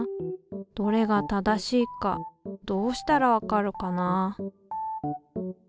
どれが正しいかどうしたらわかるかな？